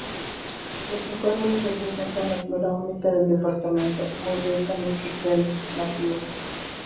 Los cinco árboles representan la flora única del Departamento, muy rica en especies nativas.